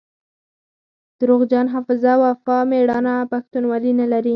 دروغجن حافظه وفا ميړانه پښتونولي نلري